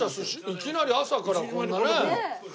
いきなり朝からこんなねえ。